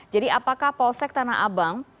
jadi apakah polsek tanah abang